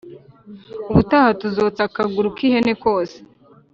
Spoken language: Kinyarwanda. Ubutaha tuzotsa akaguru k’ihene kose